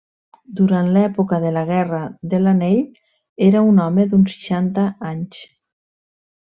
Durant l'època de la Guerra de l'Anell era un home d'uns seixanta anys.